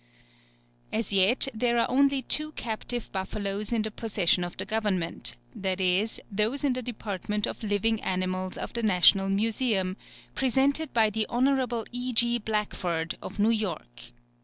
As yet there are only two captive buffaloes in the possession of the Government, viz, those in the Department of Living Animals of the National Museum, presented by Hon. E. G. Blackford, of New York.